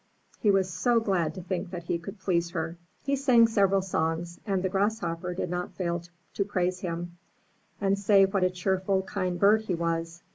He was so glad to think that he could please her. He sang several songs, and the Grasshopper did not fail to praise him, and say what a cheerful, kind bird he was.